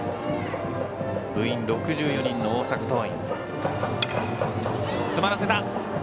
部員６４人の大阪桐蔭。